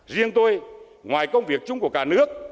riêng tôi ngoài công việc chung của cả nước